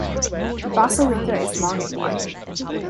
The basilica is long and wide.